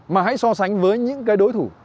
mà hãy so sánh với những cái đối thủ